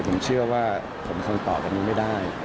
ผมเชื่อว่าผมคงตอบอันนี้ไม่ได้